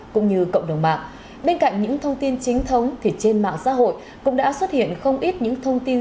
cũng như cộng đồng mạng bên cạnh những thông tin chính thống thì trên mạng xã hội cũng đã xuất hiện không ít những thông tin